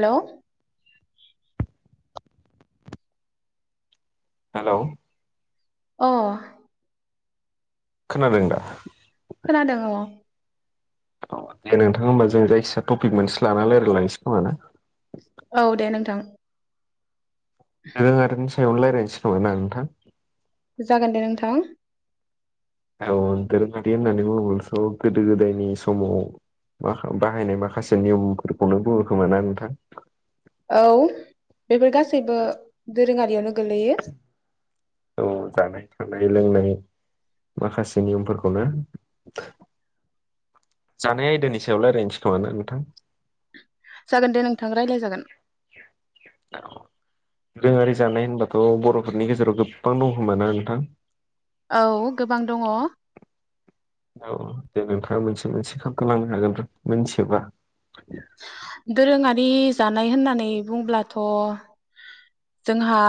Hello hello अ खोनादों दा? खोनादों औ औ दे नोंथां होमबा जों जायखिजाया टपिक मोनसे लानानै रायज्लायलांनोसै खोमा ना? औ दे नोंथां दोरोङारिनि सायावनो रायलायनोसै खोमा ना नोंथां जागोन दे नोंथां औ दोरोङारि होननानै बुङोब्लाथ गोदो गोदायनि समाव बाहायनाय माखासे नियमफोरखौनो बुङोखोमा ना नोंथां औ बेफोर गासैबो दोरोङारियावनो गोलैयो औ जानाय थानाय लोंनाय माखासे नियमफोरखौनो जानाय आयदानि सायाव रायलायनोसै खोमाना नोंथां जागोन दे नोंथां रायलाय जागोन दोरोङारि जानाय होनबाथ' बर'फोरनि गेजेराव गोबां दं खोमा ना नोंथां औ गोबां दङ औ दे नोंथांङा मोनसे मोनसे खोनथालांनो हागोन मिनथियोबा दोरोङारि होननानै बुंब्लाथ' जोंहा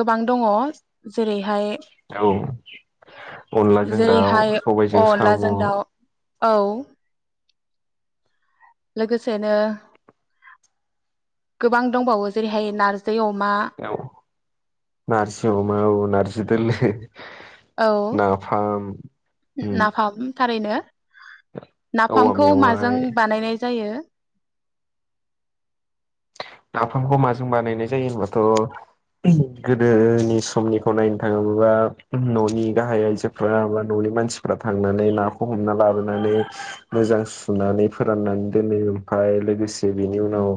गोबां दङ जेरैहाय औ अनलाजों दाउ जेरैहाय सबायजों साम' अनलाजों दाउ औ लोगोसेनो गोबां दंबावो जेरैहाय नारजि अमा औ नारजि अमा औ नारजि दोलो औ नाफाम उम नाफाम थारैनो औवा नाफामखौ माजों मेवाइ बानायनाय जायो नाफामखौ माजों बानायनाय जायो होनबाथ' गोदोनि समनिखौ नायनो थाङोबोबा न'नि गाहाय आइजोफ्रा बा न'नि मानसिफ्रा थांनानै नाखौ हमना लाबोनानै मोजां सुनानै फोराननानै दोनो ओमफ्राय लोगोसे बेनि उनाव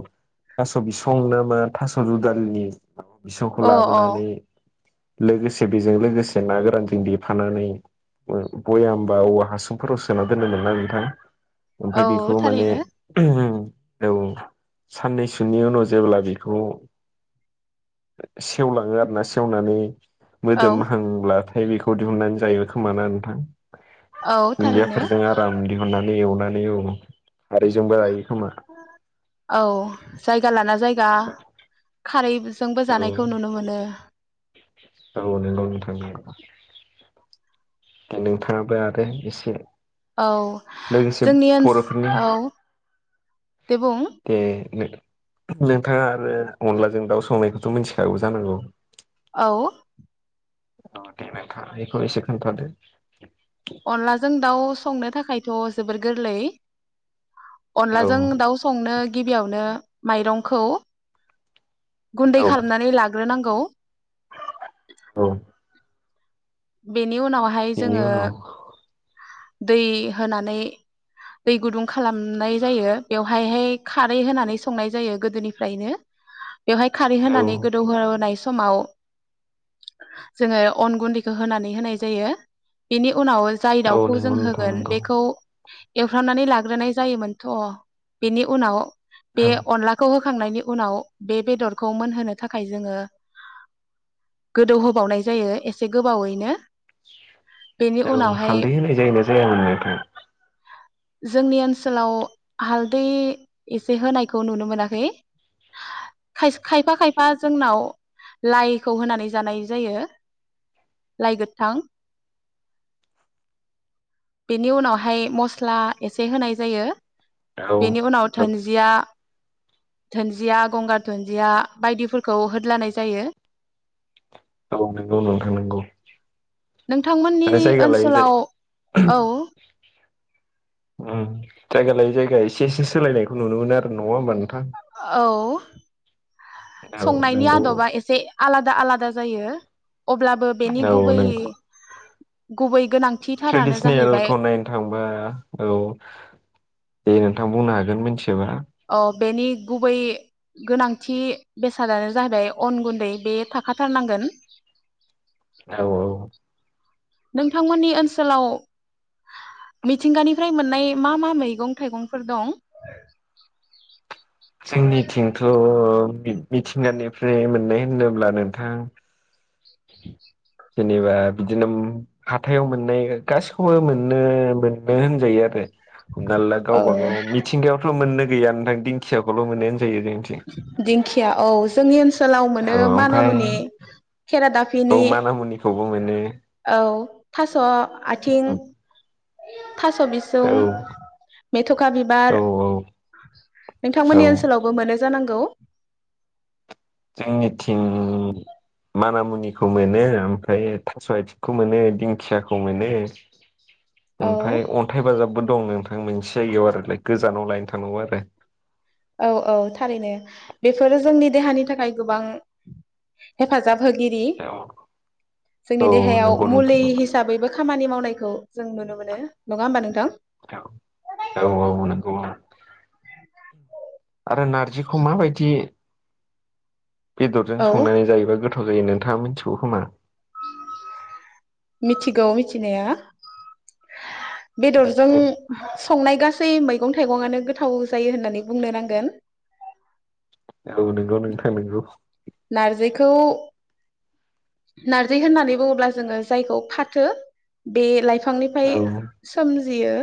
थास' बिसं नामा थास' दुदालिनि बिसंखौ अ अ लाबोनानै लोगोसे बेजों लोगोसे ना गोरानजों देफानानै बयामबा औवा हासुंफोराव सोना दोनोमोन ना नोंथां औ ओमफाय बेखौ माने थारैनो औ साननैसो नि उनाव जेब्ला बेखौ सेवलाङो आरो ना सेवनानै औ मोदोमहांब्ला फाय बिखौ दिहुननानै जायो खोमाना नोंथां औ [inaudible] थारैनो हाननानै एवनानै औ खारैजोंबो जायो खोमा औ जाय जालाना जायगा खारै जोंबो औ जानायखौ नुनो मोनो नंगौ नोंथां नोंथाङाबो आरो एसे औ लोगोसे जोंनि ओस बर'फोरनि औ दे बुं दे नोंथाङा आरो अनलाजों दाउ संनायखौथ' मिथिखागौ जानांगौ औ औ [unintelligible] एसे खोनथादों अनलाजों दाउ संनो थाखायथ' जबोर गोरलै औ अनलाजों दाउ संनो गिबियावनो माइरंखौ गुन्दै औ खालामनानै लाग्रोनां गौ औ बे नि उनावहाय बेनि जोङो उनाव दै होनानै दै गुदुं खालामनाय जायो बेवहायहाय खारै होनानै संनाय जायो गोदोनिफ्रायनो बेवहाय खारै औ होनानै गोदौहोनाय समाव जोङो अन गुन्दै खो होनानै होनाय जायो बेनि उनाव जाय औ दाउखौ जों नंगौ नोंथां होगोन नंगौ बेखौ एवफ्रामनानै लाग्रोनाय जायोमोनथ' बिनि उनाव बे औ अनलाखौ होखांनायनि उनाव बे बेदरखौ मोनहोनो थाखाय जोङो गोदौहोबावनाय जायो एस से गोबावैनो बेनि औ उनावहाय हालदै होनाय जायोना जाया मोनोन नोंथां जोंनि ओनसोलाव हालदै एसे होनायखौ नुनो मोनाखै खाइस खायफा खायफा जोंनाव लाइखौ होनानै जानाय जायो लाइ गोथां बेनि उनावहाय मस्ला एसे होनाय जायो औ बेनि उनाव औ धोनजिया धोनजिया गंगार दुुनन्जिया बायदिफोरखौ होद्लानाय जायो औ नोंगौ नोंथां नोंगौ नोंथांमोननि ओनसोलाव औ उम जायगा लायै जायगा एसे एसे सोलायनायखौ नुनो मोनो आरो नङा होमब नोंथां औ औ संनायनि नंगौ आदबा एसे आलादा दा आलादा जायो अब्लाबो बेनि औ गुबै नंगौ गुबै गोनांथिथारानो जाहैबाय ट्रेडिसनेलखौ नायनो थांबा औ दे नोंथां बुंनो हागोन। नों मिथियोबा अ बेनि गुबै गोनांथि बेसादानो जाहैबाय अन गुन्दै बे थाखाथारनांगोन। औ औ। नोंथांमोननि ओनसोलाव मिथिंगानिफ्राय मोननाय मा मा मैगं थाइगंफोर दं। जोंनिथिंथ' मिथिंगानिफ्राय मोननाय होनोब्ला नोंथां। [inaudible] जेनेबा बिदिनो हाथायाव मोननाय गासिखौबो मोननो मोननो होनजायो आरो। हमना ला औ गावबा गाव मिथिंगायावथ' मोननो गैया नोंथां दिंखियाखौल' मोनो। जायो जोंनिथिं। या औ जोंनि ओनस सोलाव मोनो औ ओमफ्राय मानामुनि औ खेरादाफिनि माना मुनिखौबो मोनो औ। थास' आथिं थास' बिसुं औ मेथ'खा औ बिबार औ नोंथांमोननि ओनसोलावबो मोनो जानांगौ। जोंनिथिं मानामुनिखौ मोनो ओमफ्राय थास' आथिंखौ मोनो दिंखियाखौ मोनो। औ ओमफ्राय अन्थाइ बाजाबबो दं नोंथां मोनसे जायगायाव आरो गोजानाव लायनो थांनांगौ आरो औ औ थारैनो बेफोरो जोंनि देहानि थाखाय गोबां हेफाजाब होगिरि आरो जोंनि औ देहायाव नंगौ नोंथां मुलि नंगौ हिसाबैबो खामानि मावनाय खौ जों नुनो मोनो नङा होमबा नोंथां। औ औ नंगौ औ आरो नार्जिखौ मा‌ बायदि बेदरजों औ संनानै जायोबा गोथाव ओरै नोंथाङा मिथिगौ खोमा मिथिगौ मिथिनाया। बेदरजों संनाय गास गासै मैगं थाइगंयानो गोथाव जायो होननानै बुंनो नांगोन। औ नंगौ नोंथां नंगौ। नार्जिखौ नार्जि होननानै बुङोब्ला जोङो जायखौ फाथो बे लाइ बिफांनिफ्राय औ सोमजियो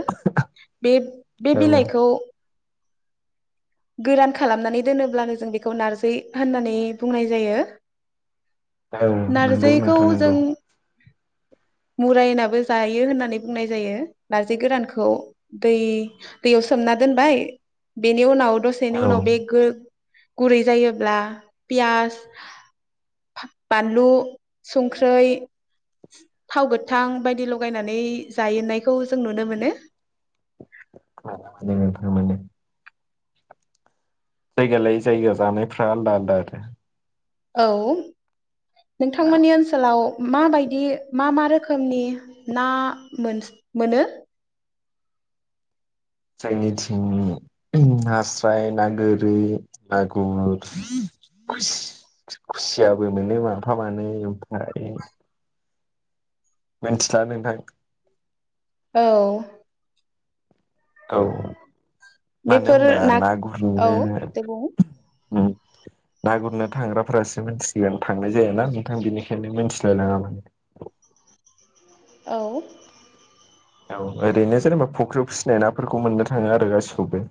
बे बे औ बिलाइखौ गोरान खालामनानै दोनोब्लानो जों बेखौ नारजै होननानै बुंनाय जायो। औ नंगौ नारजिखौ नोंथां जों नंगौ। मुरायनाबो जायो होननानै बुंनाय जायो। नारजि गोरानखौ दै दैयाव सोमना दोनबाय बेनि उनाव दसेनि औ उनाव बे गो गुरै जायोब्ला पियास बानलु संख्रै थाव गोथां बायदि लगायनानै जायो नायखौ जों नुनो मोनो। ओं नंगौ नोंथां नंगौ जायगा लायै जायगा जानायफ्रा आलदा आलदा आरो। औ नोंथांमोननि ओनसोलाव माबायदि मा मा रोखोमनि ना मोन मोनो? जायनिथिंनि नास्राय ना गोरि मागुर खुस खुसियाबो मोनो माफा मानै ओमफ्राय मिनथिला नोंथां। औ औ मानो होमबा ना औ गुरनो दे बुं उम ना गुरनो थांग्राफोरासो मिथिसिगोन थांनाय जायाना नोंथां बेनिखायनो मिथिलाय लाङा माने। औ औ ओरैनो जेनेबा फख्रियाव फिसिनाय नाफोरखौ मोननो थाङो आरो गासिखौबो।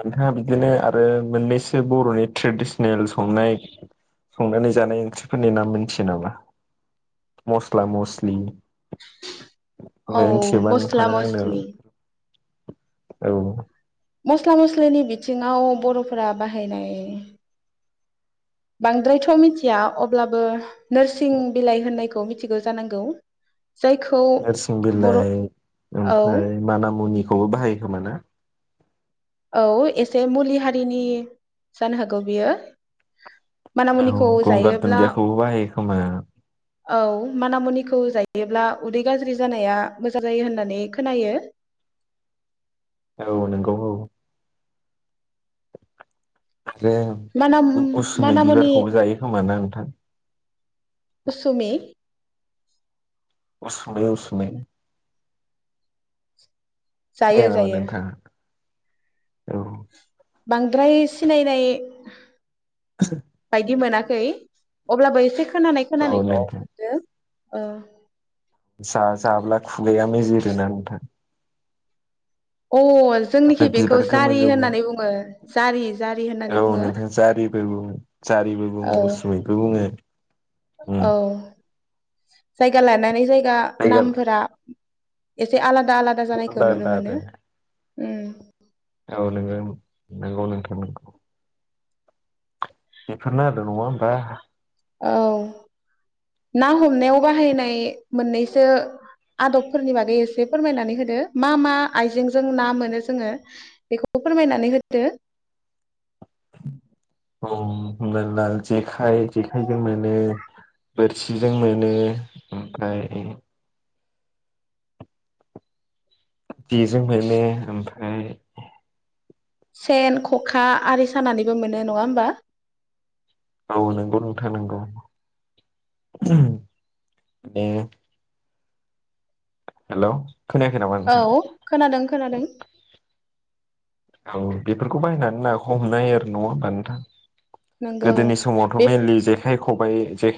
नोंथाङा बिदिनो आरो मोननैसो बर'नि ट्रेडिसनेल संनाय संनानै जानाय ओंख्रिफोरनि नाम मोनथियो नामा? मस्ला मस्लि औ मिथियोबा मस्ला नोंथाङा आंनो मसलि औ मस्ला मस्लिनि बिथिङाव बर'फोरा बाहायनाय बांद्रायथ मिथिया अब्लाबो नोरसिं बिलाइ होननायखौ मिथ मिथिगौ जानांगौ? जायखौ नोरसिं बर' बिलाइ औ ओमफाय माना मुनिखौबो बाहायो खोमा ना? औ एसे मुलि हारिनि जानो हागौ बियो। औ मानामुनिखौ गंगार जायोब्ला दुनदियाखौबो बाहायो‌ खोमा। औ मानामुनिखौ जायोब्ला उदै गाज्रि जानाया मोजां जायो होननानै खोनायो। औ नंगौ औ आरोे माना उसुमि मानामुनि बिबारखौबो जायो खोमा ना नोंथां? उसुमि उसुमि उसुमि जायो जायो दनथ [unintelligible] औ बांद्राय सिनायनाय बायदि मोना खै अब्लाबो इसे खोनानाय औ खोनानायखौ नोंथां मोनदों। औ जा जाब्ला खु गाया मेजोरोना नोंथां अ जोंनिखि ओमफ्राय बेखौ बिबार गोमो जारि गोमो होननानै बुङो जारि जारि होननानै बुङो बे [unintelligible] जारिबो औ बुङो उसुमिबो बुङो। औ नै ना जायगा नामफोरा एसे आलादा आलादा जानायखौ आलदा नुनो आलदा मोनो। आरो उम औ नों नोंगौ नोंथां नोंगौ। बेफोरनो आरो नङा होमबा औ ना हमनायाव बाहायनाय मोननैसो आदबफोरनि बागै एसे फोरमायनानै होदो मा मा आइजेंजों ना मोनो जोङो बेखौबो फोरमायनानै होदो। औ हमनानै ला जेखाय जेखाइजों मोनो बोरसिजों मोनो ओमफ्राय जेजों मोनो ओमफ्राय सेन खखा आरि सानानैबो मोनो नङा होमबा औ नंगौ नोंथां नंगौ दे। हेलौ खोनायाखै नामा नोंथां औ खोनादों खोनादों। औ बेफोरखौ बायनानै ना हमनो हायो आरो नङा होमबा नोंथां? नंगौ गोदोनि समावथ बे मेनलि जेखाय खबाय जे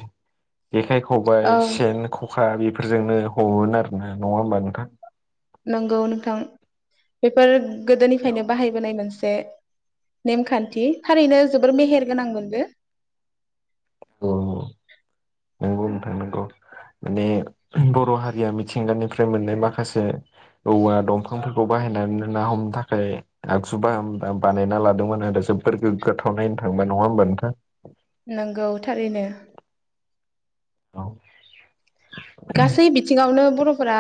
जेखाइ औ खबाइ सेन खखा बे फोरजोंनो हमोमोन आरो ना नङा होमबा नोंथां। नंगौ नोंथां बेफोर गोदोनिफ्रायनो बाहायबोनाय मोनसे। नेमखान्थि थारैनो जोबोर मेहेर गोनांमोन बे। अ नंगौ नोंथां नंगौ। माने बर' हारिया मिथिंगानिफ्राय मोननाय माखासे औवा दंफांफोरखौ बाहायनानै ना हमनो थाखाय आगजु बाह बानायना लादोंमोन आरो जोबद गोग्गाथाव नायनो था। ङोबा नङा होमबा नोंथां नंगौ थारैनो। औ गासै बिथिङावनो बर'फोरा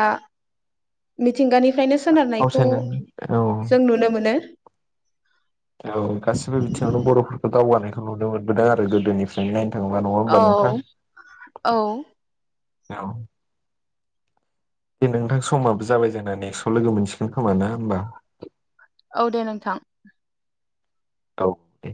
मिथिंगानि [unintelligible] सोनारनायखौ फावसायनानै औ जों नुनो मोनो। औ गासिबो बिथिङावनो बर'फोरखौ दावगानायखौ नुनो मोनबोदों आरो गोदोनिफ्रायनो नाय औ औ औ दे नोंथां समाबो जाबाय जाना नेक्स्टआव लोगो मोनसिगोन खोमा ना होमबा औ दे नोंथां औ दे